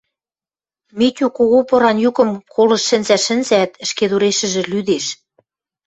Митю кого поран юкым колышт шӹнзӓ-шӹнзӓӓт, ӹшкедурешӹжӹ лӱдеш: